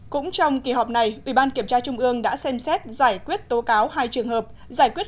năm cũng trong kỳ họp này ủy ban kiểm tra trung ương đã xem xét giải quyết tố cáo hai trường hợp giải quyết